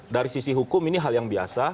dari sisi hukum ini hal yang biasa